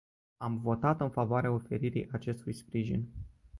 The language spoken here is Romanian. Am votat în favoarea oferirii acestui sprijin.